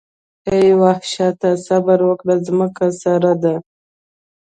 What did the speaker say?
اې وحشته صبر وکړه ځمکه سره ده.